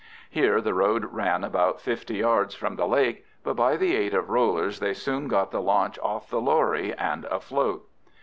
Here the road ran about fifty yards from the lake, but by the aid of rollers they soon got the launch off the lorry and afloat.